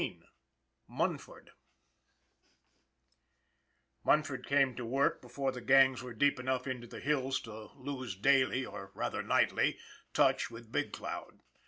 XV MUNFORD MUNFORD came to the work before the gangs were deep enough into the hills to lose daily, or rather nightly, touch with Big Cloud.